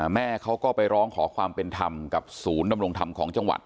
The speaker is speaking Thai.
แม่เขาก็ไปร้องขอความเป็นธรรมกับศูนย์ดำรงธรรมของจังหวัด